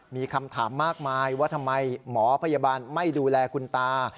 มีคำถามมากมายว่าทำไมหมอพยาบาลไม่ดูแลคุณตา